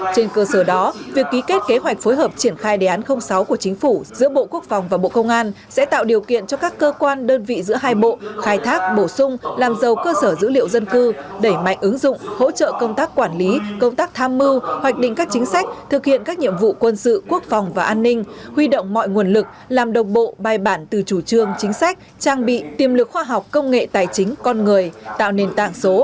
trên cơ sở đó việc ký kết kế hoạch phối hợp triển khai đề án sáu của chính phủ giữa bộ quốc phòng và bộ công an sẽ tạo điều kiện cho các cơ quan đơn vị giữa hai bộ khai thác bổ sung làm giàu cơ sở dữ liệu dân cư đẩy mạnh ứng dụng hỗ trợ công tác quản lý công tác tham mưu hoạch định các chính sách thực hiện các nhiệm vụ quân sự quốc phòng và an ninh huy động mọi nguồn lực làm đồng bộ bài bản từ chủ trương chính sách trang bị tiềm lực khoa học công nghệ tài chính con người tạo nền t